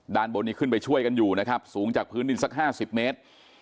ด้านบนนี้ขึ้นไปช่วยกันอยู่นะครับสูงจากพื้นดินสัก๕๐เมตร